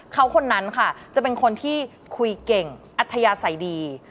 เขาคนนั้นค่ะจะเป็นคนที่คุยเก่งอัธยาศัยดี